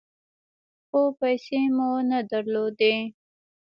خو پیسې مو نه درلودې .